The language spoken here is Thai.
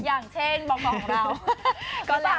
อย่างเช่นบอมเรา